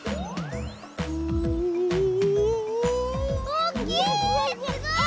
おっきい！